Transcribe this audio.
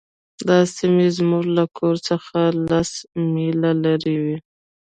دا سیمې زموږ له کور څخه لس میله لرې وې